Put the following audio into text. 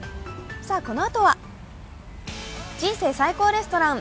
このあとは「人生最高レストラン」。